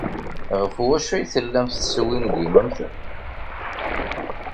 Ɣef wacu ay tellamt teswingimemt?